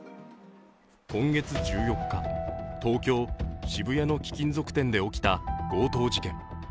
今月１４日、東京・渋谷の貴金属店で起きた強盗事件。